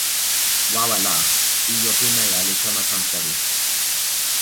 wawa la, ijo pimeja li kama tan sewi.